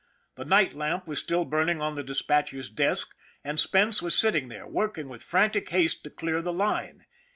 The night lamp was still burning on the dispatcher's desk, and Spence was sitting there, working with frantic haste to clear the line.